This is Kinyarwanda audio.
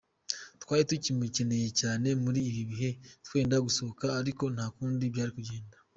Twari tukimukeneye cyane muri ibi bihe twenda gusohoka ariko nta kundi byari kugenda.